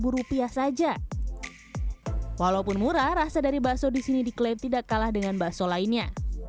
rupiah saja walaupun murah rasa dari bakso di sini diklaim tidak kalah dengan bakso lainnya